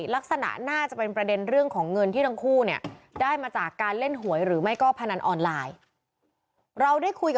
ลักษณะน่าจะเป็นประเด็นเรื่องของเงินที่ทั้งคู่เนี่ย